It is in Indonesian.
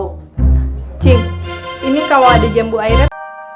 cik ini kalo ada jembu airat